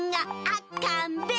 あっかんべ！